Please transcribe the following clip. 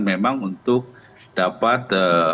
memang untuk dapat